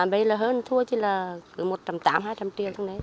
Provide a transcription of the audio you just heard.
một mươi tám bê là hơn thua chỉ là một trăm tám mươi hai trăm linh triệu